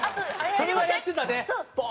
それはやってたでボン！